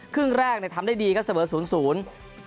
ครึ่งแรกเนี่ยทำได้ดีครับเสมอศูนย์ศูนย์